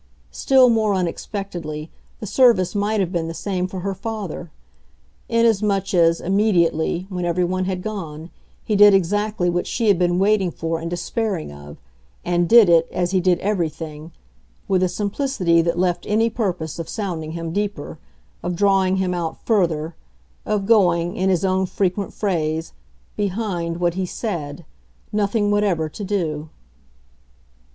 Still more unexpectedly, the service might have been the same for her father; inasmuch as, immediately, when everyone had gone, he did exactly what she had been waiting for and despairing of and did it, as he did everything, with a simplicity that left any purpose of sounding him deeper, of drawing him out further, of going, in his own frequent phrase, "behind" what he said, nothing whatever to do.